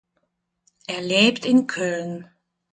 Er lebt in Köln.